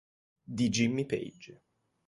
Di Jimmy Page".